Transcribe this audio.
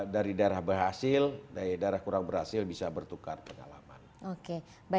dari daerah berhasil dari daerah kurang berhasil bisa bertukar pengalaman